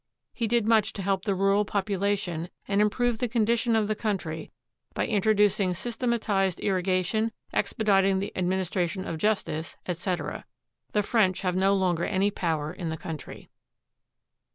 He did much to help the rural population and improve the condition of the country by introducing systematized irrigation, expedit ing the administration of justice, etc. The French have no longer any power in the country.